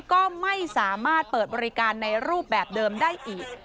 ก็ไม่สามารถเปิดบริการในรูปแบบเดิมได้อีก